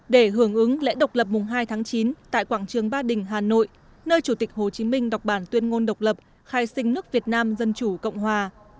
để hưởng ứng lễ độc lập mùng hai tháng chín tại quảng trường ba đình hà nội nơi chủ tịch hồ chí minh đọc bản tuyên ngôn độc lập khai sinh nước việt nam dân chủ cộng hòa